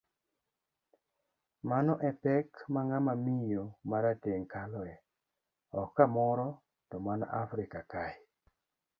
Mago epek ma ng'ama miyo marateng kaloe, ok kamoro to mana Afrika kae.